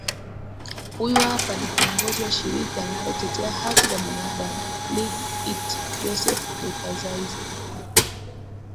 huyu hapa ni kiongozi wa shirika linalotetea haki za binaadam league itek joseph dekazaizei